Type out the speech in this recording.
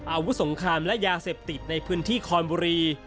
อาวุธสงครามและยาเสพติดในพื้นที่คอนบุรี